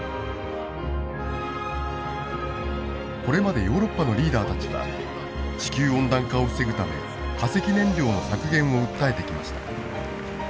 これまでヨーロッパのリーダーたちは地球温暖化を防ぐため化石燃料の削減を訴えてきました。